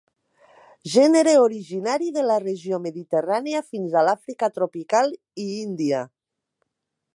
Gènere originari de la regió mediterrània fins a l'Àfrica tropical i Índia.